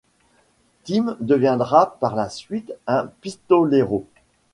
Tim deviendra par la suite un pistolero.